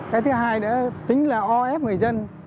cái thứ hai đó tính là ô ép người dân